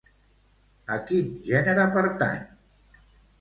A quin gènere pertany?